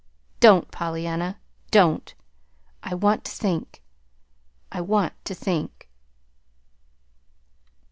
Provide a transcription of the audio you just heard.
"Don't, Pollyanna, don't! I want to think I want to think."